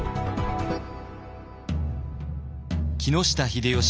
木下秀吉